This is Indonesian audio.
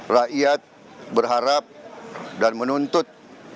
rakyat berharap dan menuntut